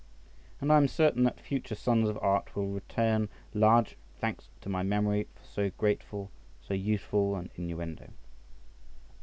And I am certain that future sons of art will return large thanks to my memory for so grateful, so useful an inmuendo.